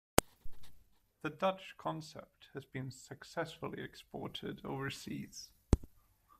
The Dutch concept has been successfully exported overseas.